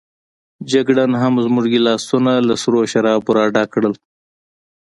جګړن هم زموږ ګیلاسونه له سرو شرابو راډک کړل.